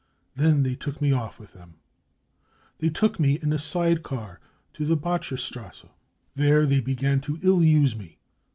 Then they took me off with them. They took me in a side car to the Bottcherstrasse. There they began to ill use me.